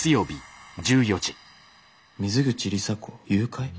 「水口里紗子誘拐」？